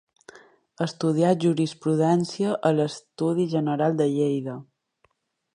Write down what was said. Estudià jurisprudència a l'Estudi General de Lleida.